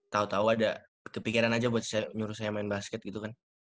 tahu tahu ada kepikiran aja buat nyuruh saya main basket gitu kan